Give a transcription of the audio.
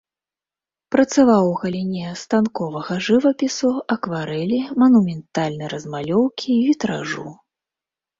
Працаваў ў галіне станковага жывапісу, акварэлі, манументальнай размалёўкі і вітражу.